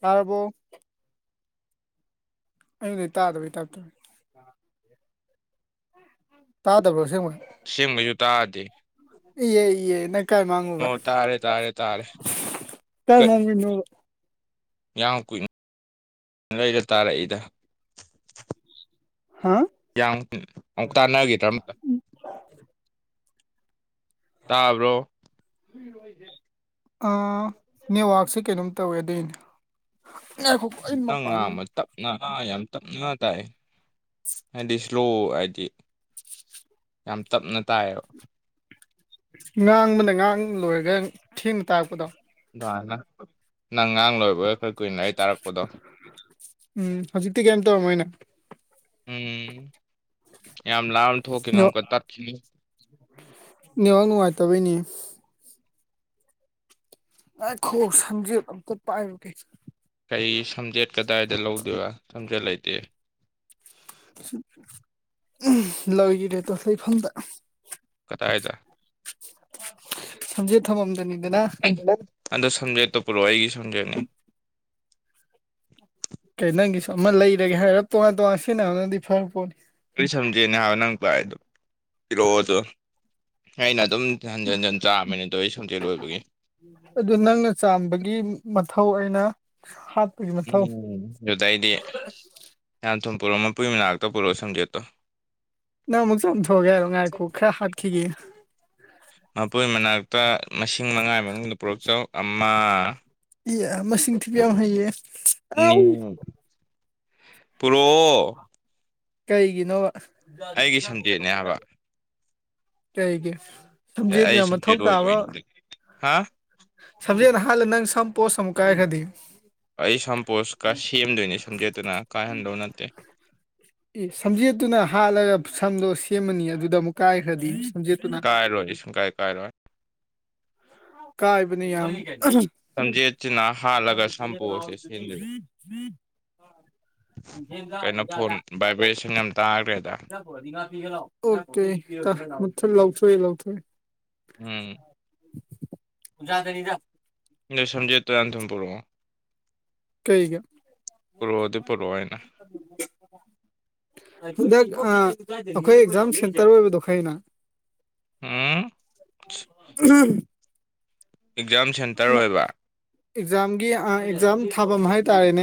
ꯇꯥꯔꯕꯣ ꯑꯩꯗꯩ ꯇꯥꯗꯕꯩ ꯇꯥꯏꯞꯇ ꯇꯥꯗꯕꯔꯣ ꯑꯁꯦꯡꯕꯒꯤ ꯑꯁꯦꯝꯕꯩꯖꯨ ꯇꯥꯗꯦ ꯏꯌꯦ ꯏꯌꯦ ꯅꯪ ꯀꯥꯏ ꯃꯥꯡꯉꯨꯕ ꯑꯣ ꯇꯥꯔꯦ ꯇꯥꯔꯦ ꯇꯥꯔꯦ ꯀꯥꯏ ꯀꯠ ꯃꯥꯡꯉꯨꯏꯅꯣ ꯌꯥꯝ ꯀꯨꯏꯅ ꯂꯩꯔ ꯇꯥꯔꯛꯏꯗ ꯍꯥꯥ ꯌꯥꯝ ꯀꯨꯏꯅ ꯑꯃꯨꯛ ꯇꯥꯟꯅꯈꯤꯗ꯭ꯔꯥ ꯑꯝꯇ ꯎ ꯇꯥꯕ꯭ꯔꯣ ꯇꯥꯔꯕꯔꯣ ꯎꯝ ꯑꯥ ꯅꯦꯠꯋꯥꯛꯁꯦ ꯀꯩꯅꯣꯝ ꯇꯧꯋꯦ ꯑꯗꯨꯏꯅꯦ ꯉꯥꯏꯈꯣꯀꯣ ꯑꯩ ꯅꯪ ꯃꯄꯥꯟꯗ ꯉꯥꯡꯕ ꯇꯞꯅ ꯑꯥ ꯌꯥꯝ ꯇꯞꯅ ꯇꯥꯏ ꯍꯥꯏꯗꯤ ꯖꯣ ꯍꯥꯏꯗꯤ ꯌꯥꯝ ꯇꯞꯅ ꯇꯥꯏꯌꯦꯕ ꯉꯥꯡꯕꯅ ꯉꯥꯡ ꯂꯣꯏꯔꯒ ꯊꯦꯡꯅ ꯇꯥꯔꯛꯄꯗꯣ ꯁꯨꯃꯥꯏꯅ ꯅꯪ ꯉꯥꯡ ꯂꯣꯏꯕꯒ ꯈ ꯀꯨꯏꯅ ꯂꯩꯔꯥ ꯇꯥꯔꯛꯄꯗꯣ ꯎꯝ ꯍꯧꯖꯤꯛꯇꯤ ꯀꯦꯏꯝ ꯇꯧꯔꯝꯃꯣꯏꯅꯦ ꯎꯝ ꯌꯥꯝ ꯂꯥꯞꯅ ꯊꯣꯛꯈꯤꯅꯣ ꯑꯃꯨꯛꯀ ꯇꯠꯈꯤꯅꯤ ꯅꯦꯋꯥꯔꯛ ꯅꯨꯡꯉꯥꯏꯇꯕꯩꯅꯦ ꯍꯨꯝ ꯉꯥꯏꯈꯣ ꯁꯝꯖꯦꯠ ꯑꯝꯇ ꯄꯥꯏꯔꯨꯒꯦ ꯑꯩ ꯁꯝꯖꯦꯠ ꯀꯗꯥꯏꯗ ꯂꯧꯗꯣꯏꯕ ꯁꯝꯖꯦꯠ ꯂꯩꯇꯦ ꯍꯨꯝ ꯎꯝ ꯂꯣꯏꯒꯤꯔꯦꯇꯨ ꯂꯩꯐꯝꯗ ꯀꯗꯥꯏꯗ ꯊꯃꯝꯗꯅꯤ ꯑꯩꯒꯤꯃꯨꯛ ꯑꯥꯗꯣ ꯁꯝꯖꯦꯠꯇꯣ ꯄꯨꯔꯣꯑꯣ ꯑꯩꯒꯤ ꯁꯝꯖꯦꯅꯤ ꯀꯩ ꯅꯪꯒꯤꯁꯨ ꯃ ꯂꯩꯔꯒꯦ ꯍꯥꯏꯔꯞ ꯇꯣꯉꯥꯟ ꯇꯣꯉꯥꯟ ꯁꯤꯅ ꯅꯪꯗꯤ ꯐꯔꯛꯄꯣꯠꯅꯤ ꯑꯩ ꯁꯝꯖꯦꯅꯦ ꯍꯥꯏꯕ ꯅꯪ ꯄꯥꯏꯗꯣ ꯄꯤꯔꯛꯑꯣꯗꯣ ꯑꯩꯅ ꯑꯗꯨꯝ ꯍꯟꯖꯤꯟ ꯎꯝ ꯍꯟꯖꯤꯟ ꯆꯥꯕꯅꯦ ꯑꯗꯣ ꯑꯩ ꯁꯝꯖꯦꯠ ꯑꯣꯏꯕꯒꯤ ꯑꯗꯨ ꯅꯪꯅ ꯆꯥꯝꯕꯒꯤ ꯃ ꯊꯧ ꯑꯩꯅ ꯍꯥꯠ ꯎꯝ ꯗꯨꯗꯩꯗꯤ ꯌꯥꯝ ꯇꯨꯝ ꯄꯨꯔꯛꯑꯣ ꯃꯄꯨꯏ ꯃꯅꯥꯛꯇ ꯄꯨꯔꯛꯑꯣ ꯁꯝꯖꯦꯠꯇꯣ ꯅꯪ ꯃꯨꯛ ꯆꯝꯊꯣꯛꯑꯒꯦ ꯍꯥꯏꯔꯣ ꯉꯥꯏꯈꯨ ꯈꯔ ꯍꯥꯠꯈꯤꯒꯦ ꯃꯄꯨꯏ ꯃꯅꯥꯛꯇ ꯃꯁꯤꯡ ꯃꯉꯥꯒꯤ ꯃꯅꯨꯡꯗ ꯄꯣꯔꯛꯆꯧ ꯑꯃ ꯏꯌꯥ ꯃꯁꯤꯡ ꯊꯤꯕ ꯌꯥꯝ ꯍꯩꯌꯦ ꯑꯅꯤ ꯑꯥꯎ ꯄꯨꯔꯣ ꯀꯩꯒꯤꯅꯣꯕ ꯑꯩꯒꯤ ꯁꯟꯖꯦꯠꯅꯦ ꯍꯥꯏꯕ ꯀꯩꯒꯤ ꯁꯝꯖꯦꯠ ꯌꯥꯝ ꯃꯊꯧ ꯇꯥꯕ꯭ꯔꯣ ꯍꯥꯥ ꯁꯖꯅ ꯍꯥꯜ ꯅꯪ ꯁꯝꯄꯣ ꯁ ꯑꯃꯨ ꯀꯥꯏ ꯈꯗꯤ ꯑꯩ ꯁꯝꯄꯣꯁꯀ ꯁꯦꯝꯗꯣꯏꯅꯦ ꯁꯝꯖꯦꯠꯇꯨꯅ ꯀꯥꯏꯍꯟꯗꯧ ꯅꯠꯇꯦ ꯑꯦ ꯁꯝꯖꯦꯠꯇꯨꯅ ꯍꯥꯠꯂꯒ ꯁꯝꯗꯣ ꯁꯦꯝꯃꯅꯤ ꯑꯗꯨꯗ ꯑꯃꯨꯛ ꯀꯥꯏꯈ꯭ꯔꯗꯤ ꯁꯝꯖꯦꯠꯇꯨꯅ ꯀꯥꯏ ꯔꯣꯍꯤꯁ ꯀꯥꯏ ꯀꯥꯏ ꯔꯣ ꯀꯥꯏꯕꯅꯤ ꯌꯥꯝ ꯁꯝꯖꯦꯠꯁꯤꯅ ꯍꯥꯠꯂꯒ ꯁꯝꯄꯣꯁꯁꯦ ꯁꯦꯝꯗꯣꯏꯅꯤ [inaudible] ꯀꯩꯅꯣ ꯐꯣꯟ ꯚꯥꯏꯕ꯭ꯔꯦꯁꯟ ꯌꯥꯝ ꯇꯥꯈ꯭ꯔꯦꯗ ꯑꯣꯀꯦ ꯂꯥꯎꯁꯨꯣ ꯂꯧꯥꯎꯁꯨꯣ ꯎꯝ ꯖꯥꯗꯅꯤꯗ ꯅ ꯁꯝꯖ ꯇ ꯑꯟꯊꯝ ꯄꯔꯣꯑꯣꯣ ꯀꯩꯒ ꯄꯨꯔꯛꯑꯣ ꯑꯩꯅ ꯍꯟꯗꯛ ꯑꯩꯈꯣꯏ ꯑꯦꯛꯖꯥꯝ ꯁꯦꯟꯇꯔ ꯑꯣꯏꯕꯗꯣ ꯈꯩꯅ ꯎꯝ ꯎꯝ ꯑꯦꯛꯖꯥꯝ ꯁꯦꯟꯇꯔ ꯑꯣꯏꯕ ꯑꯦꯛꯖꯥꯝꯒꯤ ꯑꯦꯛꯖꯥꯝ ꯊꯥꯐꯝ ꯍꯥꯏꯇꯥꯔꯦꯅꯦ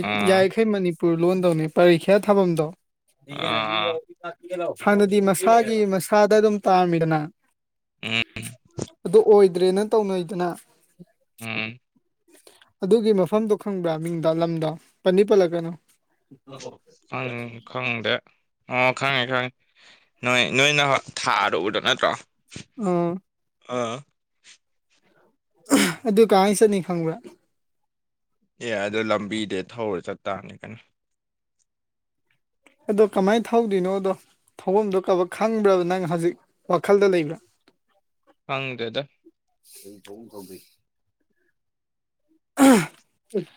ꯑꯥ ꯌꯥꯔꯤꯈꯩ ꯃꯅꯤ ꯄ ꯂꯣꯟꯗꯧꯅꯤ ꯄꯔꯤꯈ꯭ꯌꯥ ꯊꯥꯐꯝꯗꯣ ꯑꯥ ꯍꯥꯟꯅꯗꯤ ꯃꯁꯥꯒꯤ ꯃꯁꯥꯗ ꯑꯗꯨꯝ ꯇꯥꯝꯃꯤꯗꯅ ꯎꯝ ꯑꯗꯨ ꯑꯣꯏꯗ꯭ꯔꯦ ꯅꯪ ꯇꯧꯅꯩꯗꯅ ꯎꯝ ꯑꯗꯨꯒꯤ ꯃꯐꯝꯗꯣ ꯈꯪꯕ꯭ꯔꯥ ꯃꯤꯡꯗ ꯂꯝꯗ ꯄꯅꯤ ꯄꯜꯂꯛꯀꯅꯣ ꯪ ꯈꯪꯗꯦ ꯑꯣ ꯈꯪꯉꯦ ꯈꯪꯉꯦ ꯅꯣꯏ ꯅꯣꯏꯅ ꯊꯥꯗ ꯎꯗꯣ ꯅꯠꯇ꯭ꯔꯣ ꯎꯝ ꯑꯥ ꯑꯗꯨ ꯀꯃꯥꯏꯅ ꯆꯠꯅꯤ ꯈꯪꯕ꯭ꯔꯥ ꯑꯦ ꯑꯗꯨꯗ ꯂꯝꯕꯤꯗ ꯊꯧꯔ ꯆꯠꯇꯥꯥꯔꯅꯤ ꯀꯩꯅꯣ ꯑꯗꯣ ꯀꯃꯥꯏꯅ ꯊꯧꯗꯣꯏꯅꯣꯗꯣ ꯊꯧꯐꯝꯗꯨꯣ ꯀꯕ ꯈꯪꯕ꯭ꯔꯕ ꯅꯪ ꯍꯧꯖꯤꯛ ꯋꯥꯈꯜꯗ ꯂꯩꯕ꯭ꯔꯥ ꯈꯪꯗꯦꯗꯥ ꯎ ꯎꯝ [inaudible]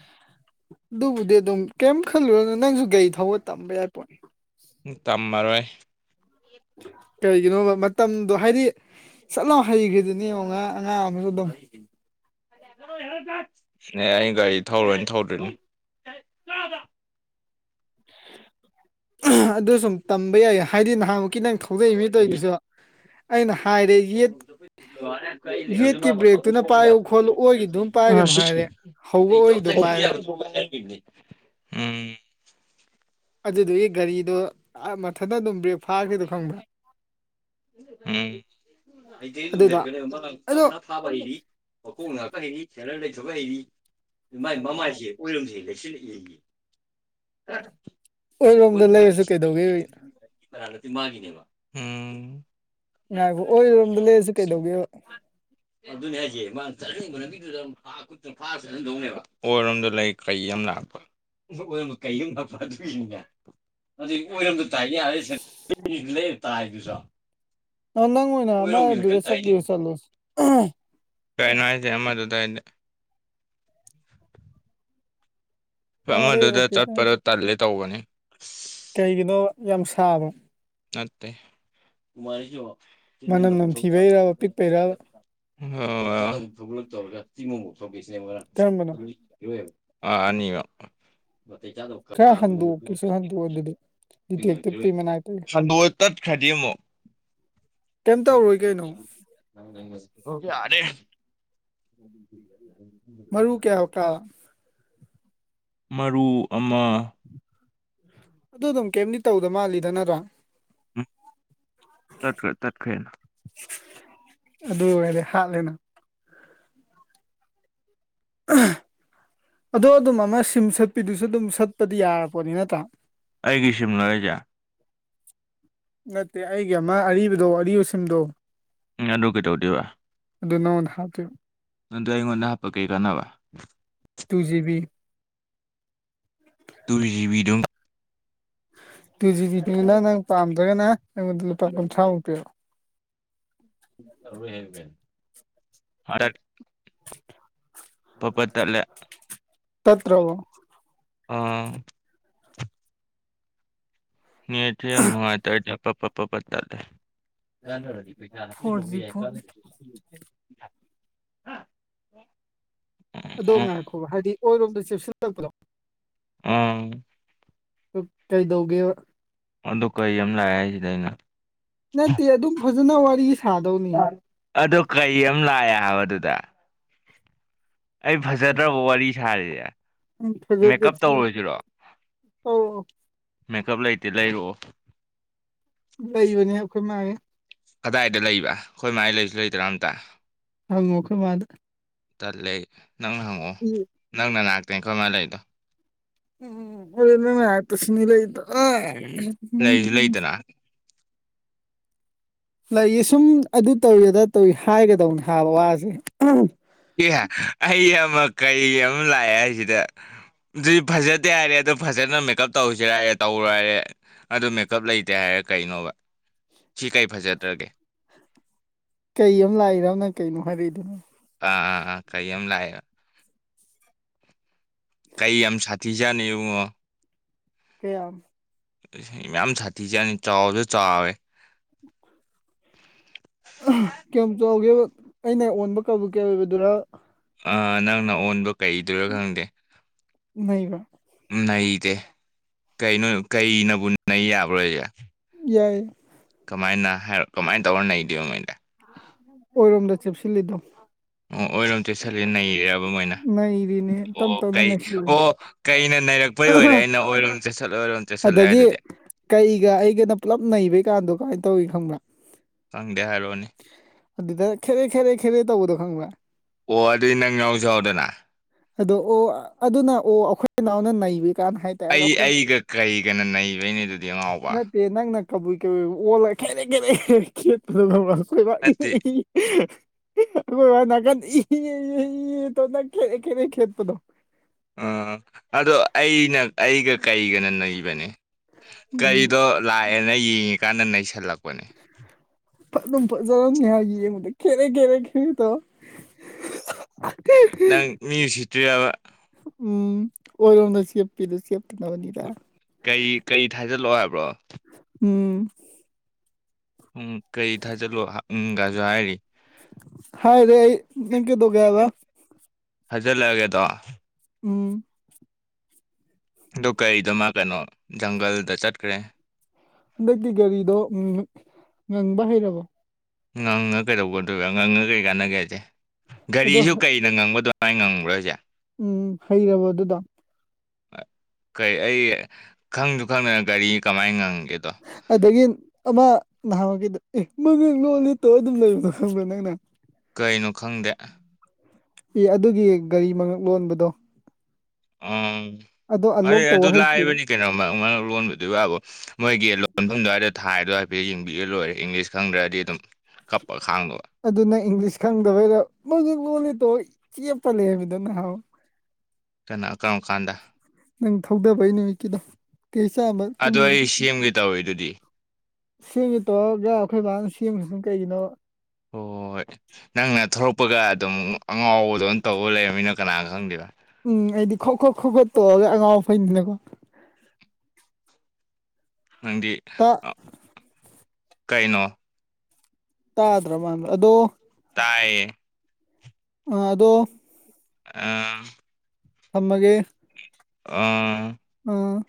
ꯑꯗꯨꯕꯨꯗꯤ ꯑꯗꯨꯝ ꯀꯤꯝ ꯈꯜꯂꯨꯔꯅ ꯅꯪꯁꯨ ꯒꯥꯔꯤ ꯊꯧꯕ ꯇꯝꯕ ꯌꯥꯏ ꯄꯣꯠꯅꯤ ꯇꯝꯃꯔꯣꯏ ꯀꯔꯤꯒꯤꯅꯣꯕ ꯃꯇꯝꯗꯣ ꯍꯥꯏꯗꯤ ꯆꯠꯂꯥꯎꯅ ꯍꯩꯈ꯭ꯔꯦꯗꯨꯅꯦ ꯌꯦꯡꯉꯣ ꯉꯔꯥꯡ ꯑꯉꯥꯡ ꯑꯃꯗꯣ ꯑꯗꯨꯝ ꯑꯦ ꯑꯩ ꯒꯥꯔꯤ ꯊꯧꯔꯣꯏꯅ ꯊꯧꯗꯔ꯭ꯤꯅꯦ ꯑꯗꯨ ꯁꯨꯝ ꯇꯝꯕ ꯌꯥꯏ ꯍꯥꯏꯗꯤ ꯅꯍꯥꯟꯃꯨꯛꯀꯤ ꯅꯪ ꯍꯧꯗꯣꯛꯏ ꯃꯤ ꯇꯧꯗꯨꯁꯨ ꯑꯩꯅ ꯍꯥꯏꯔꯦ ꯌꯦ ꯔ ꯀꯩ ꯍ ꯃꯥ [inaudible] ꯄꯥꯏꯌꯨ ꯈꯣꯠꯂꯨ ꯑꯣꯏꯒꯤꯗꯨꯝ ꯄꯥꯏꯒꯅꯨ ꯍꯥꯏꯔꯦ ꯍꯧꯕ ꯑꯩꯣ ꯑꯣꯏꯒꯤꯗꯣ ꯊ ꯄꯥꯏꯔꯦ [inaudible] ꯑꯝ ꯑꯗꯨꯗꯨꯒꯤ ꯒꯥꯔꯤꯗꯣ ꯃꯊꯟꯇ ꯑꯗꯨꯝ ꯕ꯭ꯔꯦꯛ ꯐꯥꯈꯔꯤꯗꯣ ꯈꯪꯕ꯭ꯔꯥ ꯑꯝ [inaudible] ꯑꯗꯨꯗꯣ ꯑꯗꯣ ꯃꯀꯣꯛ ꯉꯥꯏꯍꯇ ꯍꯩꯔꯤ ꯁꯦꯔꯟ ꯂꯩꯊꯣꯛꯕ ꯍꯩꯔꯤ ꯃꯥꯏ ꯃꯃꯥꯏꯁꯦ ꯑꯣꯏꯔꯝꯁꯦ ꯂꯩꯁꯤꯜꯂꯛ ꯌꯦꯒꯤ [inaudible] ꯑꯣꯏꯔꯣꯝꯗ ꯂꯩꯔꯁꯨ ꯀꯩꯗꯧꯒꯦꯕ ꯅꯠꯇꯤ ꯃꯥꯒꯤꯅꯦꯕ [inaudible] ꯎꯝ ꯉꯥꯏꯕꯣ ꯑꯣꯏꯔꯣꯝꯗ ꯂꯩꯔꯁꯨ ꯀꯩꯗꯧꯒꯦꯕ ꯆꯠꯍꯟꯅꯤꯡꯕꯗꯨꯠꯅꯦꯕ ꯑꯣꯏꯔꯣꯝꯗ ꯂꯩ ꯀꯩ ꯑꯃ ꯂꯥꯛꯄ ꯀꯩꯃ ꯑꯃꯥ ꯅꯥꯞꯄ ꯑꯗꯨꯏꯅꯦ ꯑꯗꯥꯏ ꯑꯣꯏꯔꯣꯏꯗ ꯇꯥꯏ ꯌꯥ ꯂꯩ ꯇꯥꯏꯗꯨꯁꯨ ꯑ ꯅꯪ ꯑꯥꯏꯅ ꯑꯃꯗꯨꯗꯥ ꯆꯠꯀꯦꯁꯨ ꯆꯠꯂꯣ ꯀꯥꯏꯅꯣ ꯍꯥꯏꯁꯦ ꯑꯃꯗꯨꯗꯥ ꯍꯥꯏꯗꯤ ꯌꯥꯔꯦ ꯑꯃꯗꯨꯗ ꯑꯣꯀꯦ ꯊꯦꯡ ꯆꯠꯄꯗꯣ ꯇꯜꯂꯦ ꯇꯧꯕꯅꯤ ꯑꯁ ꯀꯩꯒꯤꯅꯣ ꯌꯥꯝ ꯁꯥꯕꯔꯣ ꯅꯠꯇꯦ ꯁ ꯃꯅꯝ ꯅꯝꯊꯤꯕꯩꯔꯕ ꯄꯤꯛꯄꯩꯔꯕ [inaudible] ꯊꯣ ꯇꯧꯔꯒ ꯇꯤꯃꯐ ꯊꯣꯛꯄꯁꯤꯅꯦꯕ ꯀꯔꯝꯕꯅꯣ ꯑꯗꯨꯣꯏꯕ ꯑ ꯑꯅꯤꯕ [inaudible] ꯈꯔ ꯍꯟꯗꯣꯛꯀꯦꯁꯨ ꯍꯟꯗꯣꯛꯑꯣ ꯑꯗꯨꯗꯤ ꯇꯤꯀꯦꯠ ꯀꯛꯄꯩ ꯃꯅꯥꯛꯇꯥ ꯍꯟꯗꯣꯛꯑꯗꯤ ꯇꯠꯈ꯭ꯔꯅꯤ ꯑꯃꯨꯛ ꯀꯩꯝ ꯇꯧꯔꯣꯏ ꯀꯩꯅꯣ ꯔꯦ [inaudible] ꯃꯔꯨ ꯀꯌꯥ ꯍꯧꯇꯥ [inaudible] ꯃꯔꯨ ꯑꯃ ꯑꯗꯨ ꯑꯗꯨꯝ ꯀꯩꯝꯗꯤ ꯇꯧꯗ ꯃꯥꯜꯂꯤꯗ ꯅꯠꯇ꯭ꯔꯥ ꯇꯠꯈꯔꯦ ꯇꯠꯈꯔꯦ ꯑꯗꯨꯝ ꯑꯗꯨ ꯑꯣꯏꯔꯗꯤ ꯍꯥꯠꯂꯦꯅ ꯑꯗꯣ ꯑꯗꯨꯝ ꯑꯃ ꯁꯤꯝ ꯁꯠꯄꯤꯗꯨꯁꯨ ꯑꯗꯨꯝ ꯁꯠꯄꯗꯤ ꯌꯥꯂꯄꯣꯠꯅꯤ ꯅꯠꯇ꯭ꯔꯥ ꯑꯩꯒꯤ ꯁꯤꯝꯂꯥ ꯍꯥꯏꯁꯤ꯫ ꯅꯠꯇꯦ ꯑꯩꯒꯤ ꯑꯃ ꯑꯔꯤꯕꯗꯣ ꯑꯔꯤꯕꯥ ꯁꯤꯝꯗꯣ ꯎꯝ ꯑꯗꯨ ꯀꯩꯗꯧꯗꯨꯏꯕ ꯑꯗꯨ ꯃꯉꯣꯟꯗꯥ ꯍꯞꯇꯨꯏꯕ ꯅꯗ꯭ꯔ ꯑꯩꯉꯣꯟꯗ ꯍꯞꯄꯒ ꯀꯩ ꯀꯟꯅꯕꯥ two GB two GB two ꯖꯤꯕꯤꯗꯨꯅ ꯅꯪ ꯄꯥꯝꯗ꯭ꯔꯒꯅ ꯑꯩꯒꯣꯟꯗ ꯂꯨꯄꯥ ꯀꯨꯟꯊ꯭ꯔꯥꯃꯨꯛ ꯄꯤꯔꯛꯑꯣ ꯍꯕ ꯍ [inaudible] ꯄꯥꯠ ꯄꯥꯠ ꯇꯠꯂꯦ ꯇꯠꯇꯔ꯭ꯕꯣ ꯑꯥ ꯅꯦꯠꯇꯤ ꯌꯥꯝ ꯅꯨꯡꯉꯥꯏꯇꯔꯦ ꯄꯥꯠ ꯄꯥꯠ ꯇꯥꯠꯂꯦ ꯀꯅꯔꯗꯤ ꯄꯩꯁꯥ ꯍꯥꯆꯤ ꯐꯣꯔ ꯂꯧꯕ ꯖꯤ ꯌꯥꯏ ꯐꯣꯟ ꯀꯅ [inaudible] ꯑ ꯑꯗꯣ ꯉꯥꯏꯈꯣ ꯍꯥꯏꯗꯤ ꯑꯣꯏꯔꯣꯝꯗ ꯆꯦꯁꯤꯜꯂꯛꯄꯅꯣ ꯎꯝ ꯀꯩꯗꯧꯒꯦ ꯑꯗꯨ ꯀꯩ ꯑꯃ ꯂꯥꯛꯑꯦ ꯍꯥꯏꯁꯤꯗ ꯑꯩꯅ ꯅꯠꯇꯦ ꯑꯗꯨꯝ ꯐꯖꯅ ꯋꯥꯔꯤ ꯁꯥꯗꯧꯅꯤ ꯑꯗꯨ ꯀꯩ ꯑꯃ ꯂꯥꯛꯑꯦ ꯍꯥꯏꯕꯗꯨꯗ ꯑꯩ ꯐꯖꯗ꯭ꯔꯕ ꯋꯥꯔꯤ ꯁꯥꯔꯤꯁꯦ ꯎꯝ ꯃꯦꯀꯞ ꯇꯧꯔꯣꯏꯁꯤꯔꯣ ꯑꯣ ꯃꯦꯀꯞ ꯂꯩꯇꯦ ꯂꯩꯔꯛꯑꯣ ꯂꯩꯕꯅꯦ ꯑꯩꯈꯣꯏ ꯃꯥꯥꯡꯉꯦ ꯀꯗꯥꯏꯗ ꯂꯩꯕ ꯑꯩꯈꯣꯏ ꯃꯥꯏ ꯂꯩꯁꯨ ꯂꯩꯇ꯭ꯔꯥ ꯑꯝꯇ ꯑꯉꯈ ꯃꯥꯗ ꯇꯠꯂꯦ ꯅꯪꯅ ꯍꯪꯉꯛꯑꯣ ꯅꯪꯅ ꯅꯅꯥꯥꯛꯛꯇꯦ ꯀꯔꯝꯃꯥꯏꯅ ꯂꯩꯗꯣ ꯎ ꯑꯣꯅꯛꯇꯁꯨꯅꯤ ꯂꯩꯗ ꯂꯩꯁꯨ ꯂꯩꯇꯅ ꯂꯩꯌꯦ ꯁꯨꯝ ꯑꯗꯨ ꯇꯧꯋ ꯑꯗ ꯇꯧꯏ ꯍꯥꯏꯒꯗꯧꯅꯤ ꯍꯥꯏꯕ ꯋꯥꯁꯦ ꯑꯦꯍ ꯑꯩ ꯑꯃ ꯀꯔꯤ ꯑꯃ ꯂꯥꯛꯑꯦ ꯍꯥꯏꯁꯤꯗ ꯑꯗꯨꯗꯤ ꯐꯖꯗꯦ ꯍꯥꯏꯔꯦ ꯑꯗꯨ ꯐꯖꯅ ꯃꯦꯀꯞ ꯇꯧꯁꯤꯔꯑꯦ ꯇꯧꯔꯣꯏ ꯍꯥꯏꯔꯦ ꯑꯗꯨ ꯃꯦꯀꯞ ꯂꯩꯇꯦ ꯍꯥꯏꯔ ꯀꯩꯅꯣꯕ ꯁꯤ ꯀꯔꯤ ꯐꯖꯗ꯭ꯔꯒꯦ ꯀꯩ ꯑꯃ ꯂꯥꯛꯏꯔꯕꯅꯪ ꯀꯩꯅꯣ ꯍꯥꯏꯔꯛꯏꯗꯨꯅꯣ ꯑꯥ ꯑꯥ ꯑꯥ ꯀꯩ ꯑ ꯌꯥꯝ ꯂꯑ ꯀꯩ ꯌꯥꯝ ꯁꯥꯊꯤꯖꯥꯠꯅꯤ ꯏꯨꯡꯉꯣ ꯀꯌꯥ ꯌꯥꯝ ꯌꯥꯝ ꯁꯥꯊꯤꯤꯁꯥꯠꯅꯤ ꯆꯥꯎꯕꯁꯨ ꯆꯥꯎꯋꯦ ꯀꯌꯥꯝ ꯆꯥꯎꯒꯦ ꯑꯩꯅ ꯑꯣꯟꯕ ꯀꯕꯨ ꯀꯌꯥ ꯑꯣꯏꯕꯗꯨꯔ ꯑ ꯅꯪꯅ ꯑꯣꯟꯕ ꯀꯩꯗꯣꯏꯔꯥ ꯈꯪꯗꯦ ꯅꯒ ꯅꯩꯗꯦ ꯀꯩꯅꯣ ꯀꯩꯅꯕꯨ ꯅꯩ ꯌꯥꯕ꯭ꯔꯣꯏꯁꯦ ꯌꯥꯏ ꯀꯨꯃꯥꯏꯅ ꯍꯥꯏꯔ ꯀꯃꯥꯏ ꯇꯧꯔꯅꯩꯗꯦꯣ ꯃꯣꯏꯗꯤ ꯑꯣꯏꯔꯣꯝꯗ ꯆꯤꯞꯁꯤꯜꯂꯤꯗ ꯑꯣ ꯑꯣꯏꯔꯣꯝ ꯆꯦꯠꯁꯤꯜꯂ ꯅꯩꯔꯦꯔꯕ ꯃꯣꯏꯅ ꯅꯩꯔꯤꯅꯦ ꯇꯞ ꯑꯣ ꯇꯞꯅ ꯀꯩ ꯅꯩꯁꯤꯜꯂꯛꯑꯦ ꯑꯣ ꯀꯩꯅ ꯅꯩꯔꯛꯄꯩ ꯀ ꯑꯣꯏꯔꯦ ꯑꯩꯅ ꯑꯣꯏꯔꯣꯝ ꯆꯠꯁꯠꯂ ꯑꯣꯏꯔꯣꯝ ꯆꯠꯁꯤꯠꯂꯦ ꯑꯗꯒꯤ ꯑꯗꯨꯗꯤ ꯀꯩꯒ ꯑꯩꯒꯅ ꯄꯨꯂꯞ ꯅꯩꯕꯩ ꯀꯥꯟꯗꯣ ꯀꯃꯥꯏꯅ ꯇꯧꯏ ꯈꯪꯕ꯭ꯔꯥ ꯈꯪꯒꯦ ꯍꯥꯏꯔꯛꯑꯣꯅꯦ ꯑꯗꯨꯗ ꯈꯦꯔꯦ ꯈꯦꯔꯦ ꯈꯦꯔꯦ ꯇꯧꯕꯗꯣ ꯈꯪꯕ꯭ꯔꯥ ꯑꯣ ꯑꯗꯨꯗꯤ ꯅꯪ ꯉꯎꯖꯍꯧꯗꯅꯅꯥ ꯑꯗꯣ ꯑꯣ ꯑꯗꯨꯅ ꯑꯣ ꯑꯩꯈꯣꯏꯅꯥꯎꯅ ꯅꯩꯕꯤ ꯑꯩ ꯑꯩꯒ ꯀꯔꯤꯒꯅ ꯅꯩꯕꯩꯅꯦ ꯑꯗꯨꯗꯤ ꯑꯉꯥꯎꯕ ꯅꯠꯇꯦ ꯅꯪꯅ ꯀꯕꯨꯏ ꯀꯏ ꯑꯣꯂ ꯈꯦꯔ ꯈꯦꯔꯦ ꯁꯣꯏꯕ ꯏꯍ ꯅꯠꯇꯦ ꯏꯍ ꯀ ꯈꯦꯗꯄꯗꯣ ꯑꯥ ꯑꯗꯣ ꯑꯩꯅ ꯑꯩꯒ ꯀꯩꯒꯅ ꯅꯩꯕꯅꯦ ꯎꯝ ꯀꯔꯤꯗꯣ ꯂꯥꯛꯑꯦꯅ ꯌꯦꯡꯉꯤꯀꯥꯟꯗ ꯅꯩꯁꯜꯂꯛꯄꯅꯦ ꯐ ꯑꯗꯨꯝ ꯐꯖꯔꯝꯅꯤ ꯍꯥꯏ ꯌꯦꯡꯕꯗ ꯈꯦꯔꯦ ꯈꯦꯔꯦ ꯈꯦ ꯇꯧ ꯅꯪ ꯃꯤ ꯁꯤꯇ꯭ ꯌꯥꯕ ꯎꯝ ꯑꯣꯏꯔꯣꯝꯗ ꯁꯦꯞꯄꯤꯗꯣ ꯆꯦꯞꯇꯅꯕꯅꯤꯗ ꯀꯩ ꯀꯔꯤ ꯊꯥꯖꯤꯜꯂꯛꯑꯣ ꯍꯥꯏꯕ꯭ꯔꯣ ꯎꯝ ꯎꯝ ꯀꯔꯤ ꯊꯥꯖꯠꯂꯣ ꯎꯒꯥꯁꯨ ꯍꯥꯏꯔꯤ ꯍꯥꯏ ꯔꯦ ꯑꯩ ꯅꯪ ꯀꯩꯗꯣꯒꯦꯕ ꯍꯖꯔ ꯂꯩꯒꯦꯗ ꯎꯝ ꯑꯗꯨ ꯀꯔꯤꯗꯣꯃ ꯀꯩꯅꯣ ꯖꯪꯒꯜꯗ ꯆꯠꯈ꯭ꯔꯦ ꯍꯟꯗꯛꯇꯤ ꯒꯥꯔꯤꯗꯣ ꯉꯪꯕ ꯍꯩꯔꯕꯣ ꯉꯪꯉ ꯀꯩꯗꯧꯕꯒꯗꯣꯏꯔ ꯉꯪꯉ ꯀꯔꯤ ꯀꯥꯟꯅꯒꯦ ꯍꯥꯏꯁꯦ ꯑꯗꯣ ꯒꯥꯔꯤꯁꯨ ꯀꯩꯅ ꯉꯪꯕꯗꯣꯏ ꯍꯥꯏ ꯉꯪꯕ꯭ꯔꯁꯦ ꯎꯝ ꯍꯩꯔꯕ ꯑꯗꯨꯗ ꯀꯩ ꯑꯩ ꯈꯪꯁꯨ ꯈꯪꯗꯅ ꯒꯥꯔꯤ ꯀꯃꯥꯏꯅ ꯉꯪꯒꯦ ꯑꯗꯒꯤ ꯑꯃ ꯅꯍꯥꯟꯒꯤ ꯑꯦ ꯃꯃꯤꯡ ꯂꯣ ꯂꯤꯠꯇꯣ ꯑꯗꯨꯝ ꯂꯩꯕꯣ ꯈꯕ꯭ꯔꯥ ꯅꯪꯅ ꯀꯩꯅꯣ ꯈꯪꯗꯦ ꯑꯦ ꯑꯗꯨꯒꯤ ꯒꯥꯔꯤ ꯃꯉꯛ ꯂꯣꯟꯕꯗꯣ ꯑꯗꯣ ꯎ ꯑꯟꯂꯣꯛ ꯑꯩ ꯑꯗꯨ ꯇꯧꯕ ꯍꯩꯇ꯭ꯔꯤꯕ ꯂꯥꯛꯏꯕꯅꯤ ꯀꯩꯅꯣ ꯃꯔꯛ ꯂꯣꯟꯕꯗꯨ ꯋꯥꯕ ꯃꯣꯏꯒꯤ ꯂꯣꯟꯐꯝ ꯑꯗꯨꯋꯥꯏꯗ ꯊꯥꯏꯗꯣ ꯍꯥꯏꯐꯦꯠꯇꯠ ꯌꯦꯡꯕꯤꯔ ꯂꯣꯏꯔꯦ ꯏꯪꯂꯤꯁ ꯈꯪꯗ꯭ꯔꯗꯤ ꯑꯗꯨꯝ ꯀꯞꯄꯒ ꯑꯗꯨꯅ ꯏꯪꯂꯤꯁ ꯈꯪꯗꯕꯩꯗ ꯃꯣꯏꯗꯨ ꯂꯣꯟ ꯂꯤꯗꯣ ꯆꯦꯞꯄꯜ ꯂꯩꯦ ꯍꯥꯏꯕꯗ ꯅꯍꯥꯎ ꯀꯅꯥ ꯀ ꯀꯥꯟꯗ ꯅꯪ ꯊꯧꯗꯕꯩ ꯅꯨꯃꯤꯠꯀꯤꯗꯣ ꯀꯩ ꯆꯥꯝꯃ ꯄꯨꯝꯕ ꯇꯧꯋꯤ ꯑꯗꯨꯗꯤ ꯁꯦꯝꯃꯤꯠꯇꯣ ꯌꯥꯏ ꯑꯩꯈꯣꯏ ꯕꯥꯅ ꯁꯦꯝꯕꯁꯅ ꯀꯩꯒꯤꯅꯣ ꯍꯣꯏ ꯅꯪꯅ ꯊꯂꯛꯄꯒ ꯑꯗꯨꯝ ꯑꯉꯥꯎꯕꯗ ꯇꯧꯕ ꯂꯩꯔꯕꯃꯤꯅ ꯀꯅꯥꯅ ꯈꯪꯗꯦꯗ ꯎꯝ ꯑꯩꯗꯤ ꯈꯣ ꯈꯣꯣꯛ ꯈ ꯈꯣꯠ ꯇꯣꯛꯑꯒ ꯑꯉꯥꯎꯕ ꯐꯩꯗꯅꯀꯣ ꯅꯪꯗꯤ ꯇꯥ ꯀꯩꯅꯣ ꯇꯥꯗ꯭ꯔꯃꯥꯟ꯭ꯔꯣ ꯑꯗꯨꯗꯣ ꯇꯌꯦ ꯑ ꯑꯗꯣ ꯑ ꯅꯃꯒ ꯑ ꯑꯝ